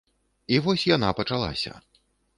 І вось яна пачалася.